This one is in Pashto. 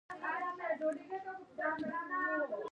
د کارابین په مستعمرو کې د ګنیو تولید زیاتوالی راغی.